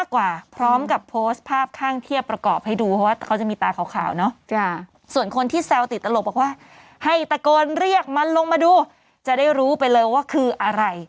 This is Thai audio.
กว่าพร้อมกับโพสต์ภาพข้างเทียบประกอบให้ดูว่าเขาจะมีตาขาวเนาะส่วนคนที่แซวติดตลกบอกว่าให้ตะโกนเรียกมันลงมาดูจะได้รู้ไปเลยว่าคืออะไร